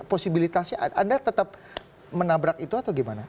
posibilitasnya anda tetap menabrak itu atau gimana